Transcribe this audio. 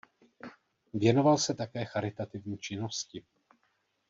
Věnoval se také charitativní činnosti.